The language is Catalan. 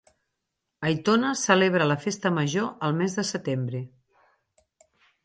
Aitona celebra la festa major al mes de setembre.